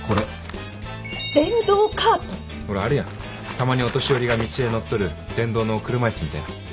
たまにお年寄りが道で乗っとる電動の車椅子みたいな。